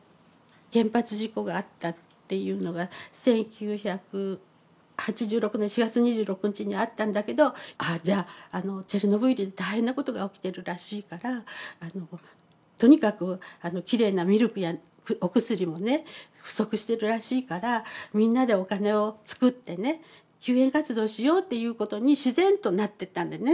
原発事故があったっていうのが１９８６年４月２６日にあったんだけどああじゃあチェルノブイリで大変なことが起きてるらしいからとにかくきれいなミルクやお薬もね不足してるらしいからみんなでお金をつくってね救援活動しようっていうことに自然となってったんでね